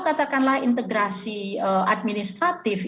katakanlah integrasi administratif